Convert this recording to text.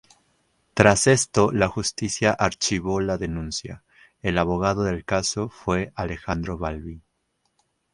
Tras esto la justicia archivó la denuncia, el abogado del caso fue Alejandro Balbi.